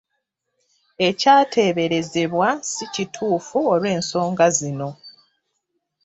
Ekyateeberezebwa si kituufu olw'ensonga zino.